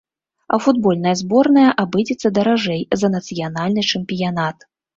А футбольная зборная абыдзецца даражэй за нацыянальны чэмпіянат.